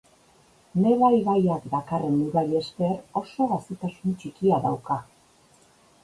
Neva ibaiak dakarren urari esker, oso gazitasun txikia dauka.